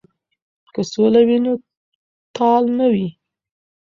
که سوله وي نو تال نه وي.